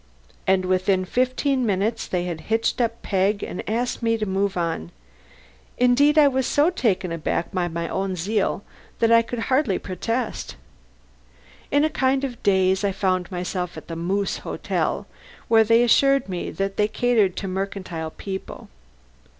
And within fifteen minutes they had hitched up Peg and asked me to move on. Indeed I was so taken aback by my own zeal that I could hardly protest. In a kind of daze I found myself at the Moose Hotel, where they assured me that they catered to mercantile people.